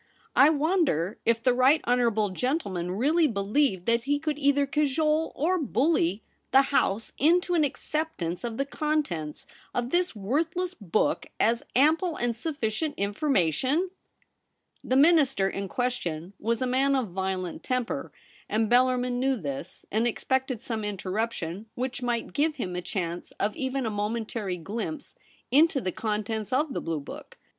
I wonder if the right honourable gentleman really believed that he could either cajole or bully the House into an acceptance of the contents of this worthless book as ample and sufficient information ?' The Minister in question was a man of violent temper, and Bellarmin knew this, and expected some interruption, which might give him a chance of even a momentary glimpse into the contents of the blue book.